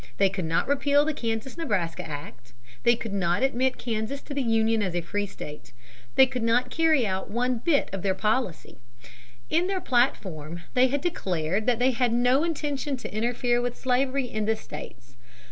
They could not repeal the Kansas Nebraska Act. They could not admit Kansas to the Union as a free state. They could not carry out one bit of their policy. In their platform they had declared that they had no intention to interfere with slavery in the states.